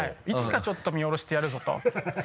いつかちょっと見下ろしてやるぞと。